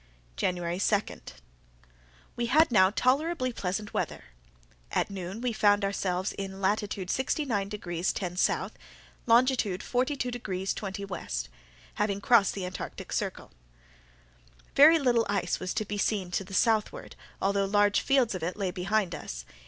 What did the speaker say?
January 2.—We had now tolerably pleasant weather. At noon we found ourselves in latitude 69 degrees 10' S, longitude 42 degrees 20' W, having crossed the Antarctic circle. Very little ice was to be seen to the southward, although large fields of it lay behind us.